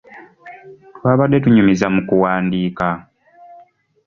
Twabadde tunyumiza mu kuwandiika.